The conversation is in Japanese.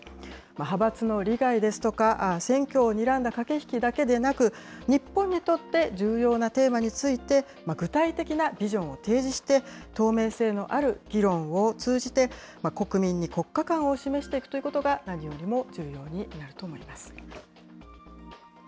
派閥の利害ですとか、選挙をにらんだ駆け引きだけでなく、日本にとって重要なテーマについて、具体的なビジョンを提示して、透明性のある議論を通じて、国民に国家観を示していくということが何よりも重要になると思います。